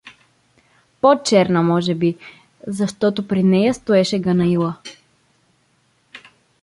По-черна може би, защото при нея стоеше Ганаила.